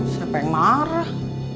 siapa yang marah